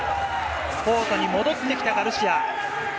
コートに戻ってきたガルシア。